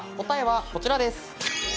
答えはこちらです。